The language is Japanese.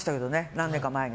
何年か前に。